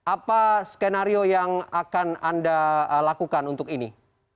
apa skenario yang akan anda lakukan untuk ini